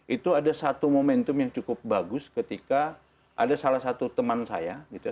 itu ada satu momentum yang cukup bagus ketika ada salah satu teman saya gitu ya